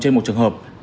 trên một trường hợp